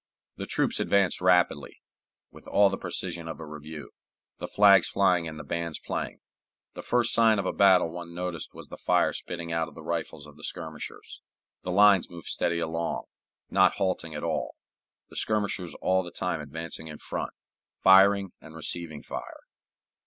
The troops advanced rapidly, with all the precision of a review, the flags flying and the bands playing. The first sign of a battle one noticed was the fire spitting out of the rifles of the skirmishers. The lines moved steadily along, not halting at all, the skirmishers all the time advancing in front, firing and receiving fire.